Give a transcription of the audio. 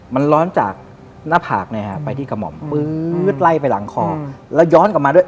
มันร้อนจากหน้าผากไปที่กระหม่อมปื๊ดไล่ไปหลังคอแล้วย้อนกลับมาด้วย